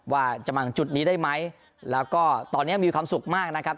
ว่าจะมาจุดนี้ได้ไหมแล้วก็ตอนนี้มีความสุขมากนะครับ